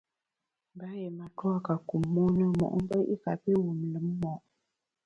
Mba yié matua ka kum mon na mo’mbe i kapi wum lùm mo’.